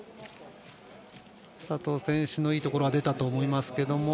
佐藤選手のいいところは出たと思いましたが。